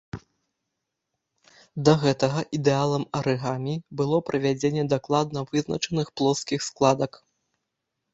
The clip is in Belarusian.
Да гэтага ідэалам арыгамі было правядзенне дакладна вызначаных плоскіх складак.